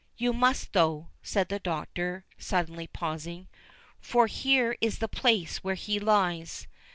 "You must, though," said the Doctor, suddenly pausing, "for here is the place where he lies.